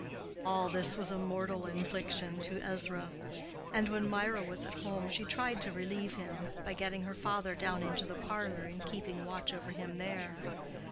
All this was a mortal infliction to Ezra; and when Mirah was at home she tried to relieve him, by getting her father down into the parlor and keeping watch over him there.